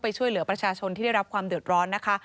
ช่วยเหลือประชาชนที่ได้รับความเดือดร้อนนะคะ